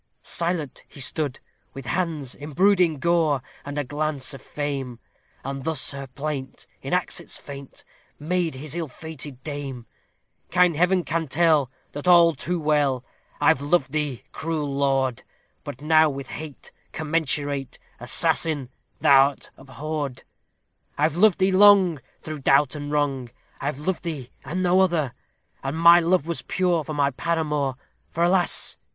Silent he stood, with hands embrued in gore, and glance of flame, As thus her plaint, in accents faint, made his ill fated dame: "Kind Heaven can tell, that all too well, I've loved thee, cruel lord; But now with hate commensurate, assassin, thou'rt abhorred. "I've loved thee long, through doubt and wrong; I've loved thee and no other; And my love was pure for my paramour, for alas!